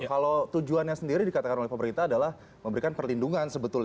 kalau tujuannya sendiri dikatakan oleh pemerintah adalah memberikan perlindungan sebetulnya